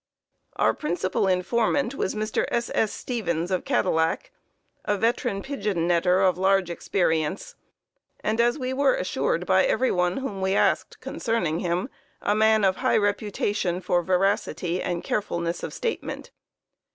"Our principal informant was Mr. S. S. Stevens, of Cadillac, a veteran pigeon netter of large experience, and, as we were assured by everyone whom we asked concerning him, a man of high reputation for veracity and carefulness of statement.